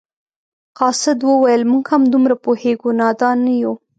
قاصد وویل موږ هم دومره پوهیږو نادان نه یو.